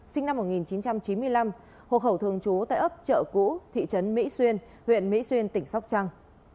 sinh năm một nghìn chín trăm chín mươi năm hộ khẩu thường trú tại ấp chợ cũ thị trấn mỹ xuyên huyện mỹ xuyên tỉnh sóc trăng